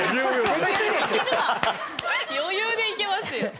余裕でいけますよ。